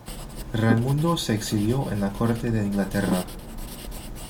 Raimundo se exilió en la corte de Inglaterra.